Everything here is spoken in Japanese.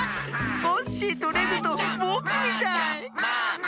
コッシーとレグとぼくみたい。